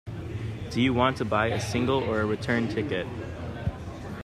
Do you want to buy a single or a return ticket?